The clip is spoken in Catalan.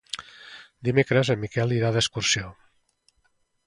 Dimecres en Miquel irà d'excursió.